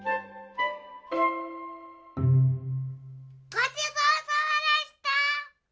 ごちそうさまでした！